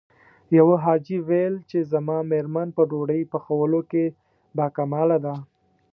يوه حاجي ويل چې زما مېرمن په ډوډۍ پخولو کې باکماله ده.